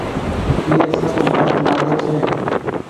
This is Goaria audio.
ايئي سب مآئيت لآگي ڇي۔